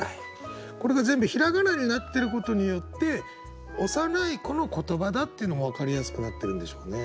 これが全部ひらがなになってることによって幼い子の言葉だっていうのも分かりやすくなってるんでしょうね。